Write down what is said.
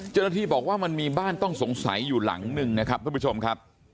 เจ้าหน้าที่บอกว่ามันมีบ้านต้องสงสัยอยู่หลังหนึ่งนะครับทุกผู้ชมครับ